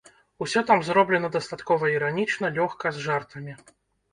Усё там зроблена дастаткова іранічна, лёгка, з жартамі.